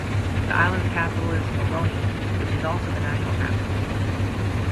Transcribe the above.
The island's capital is Moroni, which is also the national capital.